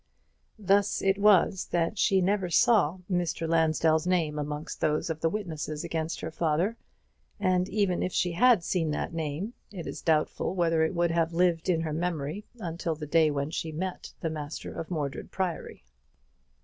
Thus it was that she never saw Mr. Lansdell's name amongst those of the witnesses against her father; and even if she had seen that name, it is doubtful whether it would have lived in her memory until the day when she met the master of Mordred Priory.